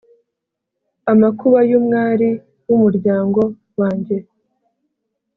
amakuba y’umwari w’umuryango wanjye.